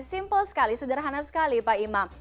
simpel sekali sederhana sekali pak imam